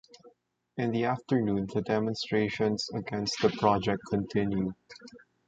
In the afternoon, the demonstrations against the project continued.